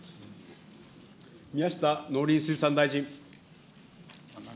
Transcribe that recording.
宮下農林水産大臣。